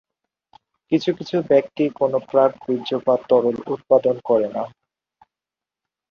কিছু কিছু ব্যক্তি কোনও প্রাক-বীর্যপাত তরল উৎপাদন করে না।